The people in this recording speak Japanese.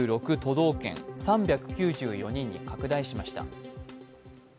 道県３９４人に拡大しました。